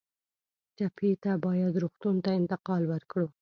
ټپي ته باید روغتون ته انتقال ورکړو.